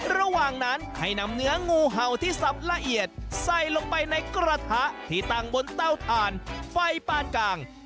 ระหว่างนั้นให้นำเนื้องูเห่าที่สับละเอียดใส่ลงไปในกระทะที่ตั้งบนเต้าถ่านไฟปานกลาง